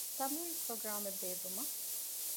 ތަމްރީނު ޕްރޮގްރާމެއް ބޭއްވުމަށް